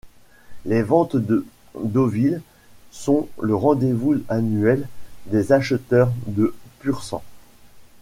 Les ventes de Deauville sont le rendez-vous annuel des acheteurs de Pur-sang.